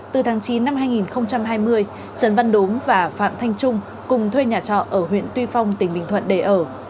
từ tháng chín năm hai nghìn hai mươi trần văn đốm và phạm thanh trung cùng thuê nhà trọ ở huyện tuy phong tỉnh bình thuận để ở